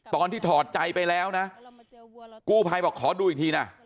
ตอนที่ถอดใจไปแล้วนะกู้ไพ่บอกขอดูอีกทีนะ